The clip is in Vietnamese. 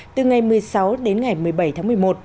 từ ngày một mươi sáu đến ngày một mươi bảy tháng một mươi một